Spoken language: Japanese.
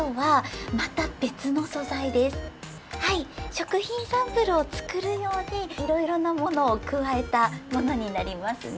食品サンプルをつくるようでいろいろなものをくわえたものになりますね。